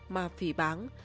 mà phì báng